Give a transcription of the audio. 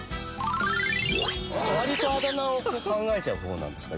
「わりとあだ名を考えちゃう方ですか？